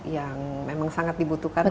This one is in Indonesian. yang memang sangat dibutuhkan